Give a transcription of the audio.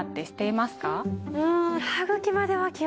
うん。